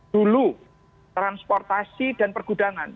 dulu transportasi dan pergudangan